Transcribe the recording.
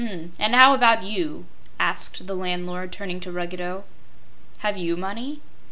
"And how about you?" asked the landlord, turning to Ruggedo. "Have you money?"